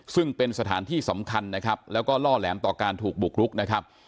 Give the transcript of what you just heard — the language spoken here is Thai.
ซึ่งเป็นสถานที่สำคัญนะครับแล้วก็ล่อแหลมต่อการถูกบุกรุกนะครับ